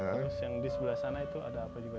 terus yang di sebelah sana itu ada apa juga